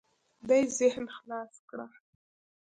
دې ذهن خلاص کړه.